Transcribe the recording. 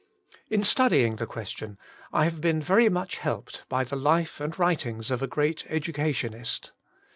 In studying the question I have been very much helped by the life and writings of a great educationist.